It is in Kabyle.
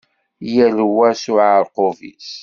Yal wa s uɛerqub-is.